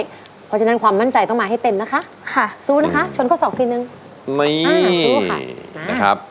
เพราะฉะนั้นความมั่นใจต้องมาให้เต็มนะคะค่ะสู้นะคะชนข้อสองทีนึงไม่อ่าสู้ค่ะนะครับ